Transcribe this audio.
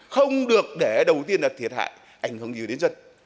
không được để đầu tiên là thiệt hại ảnh hưởng nhiều đến dân